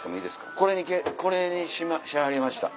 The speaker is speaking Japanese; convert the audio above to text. これにしはりました。